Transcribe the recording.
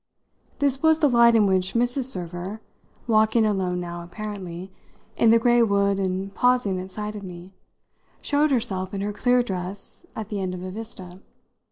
This was the light in which Mrs. Server, walking alone now, apparently, in the grey wood and pausing at sight of me, showed herself in her clear dress at the end of a vista.